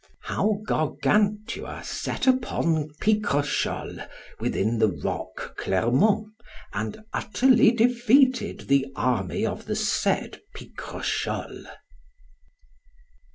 How Gargantua set upon Picrochole within the rock Clermond, and utterly defeated the army of the said Picrochole.